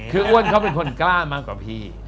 คืออ้วนเขาเป็นคนกล้ามากกว่าพี่